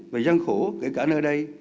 và gian khổ kể cả nơi đây